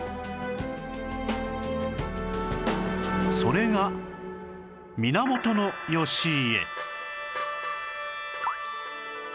それが源義家